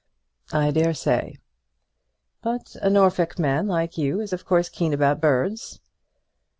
"I dare say." "But a Norfolk man like you is of course keen about birds."